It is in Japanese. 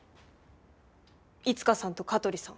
いつかさんと香取さん。